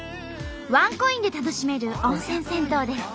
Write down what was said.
ワンコインで楽しめる温泉銭湯です。